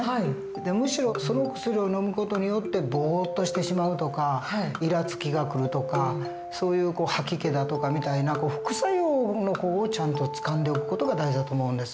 でむしろその薬をのむ事によってぼっとしてしまうとかいらつきがくるとかそういう吐き気だとかみたいな副作用の方をちゃんとつかんでおく事が大事だと思うんです。